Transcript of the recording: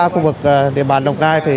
khu vực địa bàn đồng nai